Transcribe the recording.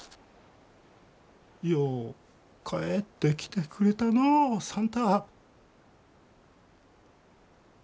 よう帰ってきてくれたのう算太。